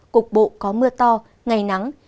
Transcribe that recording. cục bộ có mưa to ngày nắng